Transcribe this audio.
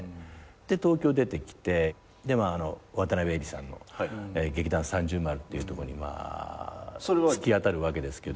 で東京出てきて渡辺えりさんの劇団３○○っていうとこに突き当たるわけですけど。